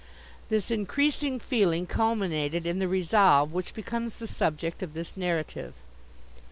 This increasing feeling culminated in the resolve which becomes the subject of this narrative.